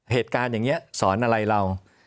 เหตุการณ์อย่างนี้สอนอะไรเรา